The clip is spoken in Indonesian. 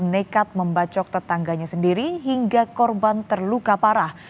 nekat membacok tetangganya sendiri hingga korban terluka parah